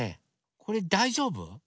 これだいじょうぶ？